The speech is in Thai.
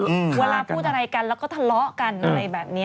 เวลาพูดอะไรกันแล้วก็ทะเลาะกันอะไรแบบนี้